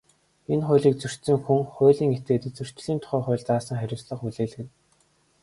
Энэ хуулийг зөрчсөн хүн, хуулийн этгээдэд Зөрчлийн тухай хуульд заасан хариуцлага хүлээлгэнэ.